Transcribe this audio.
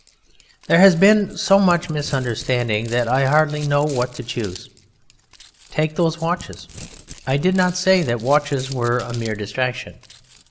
There has been so much misunderstanding that I hardly know what to choose. Take those watches. I did not say that watches were "a mere distraction."